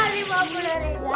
lima puluh dari gua